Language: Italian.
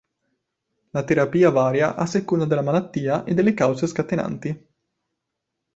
La terapia varia a seconda della malattia e delle cause scatenanti.